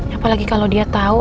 apalagi kalau dia tau